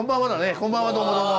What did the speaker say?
こんばんはどうもどうも。